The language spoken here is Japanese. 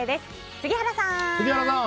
杉原さん！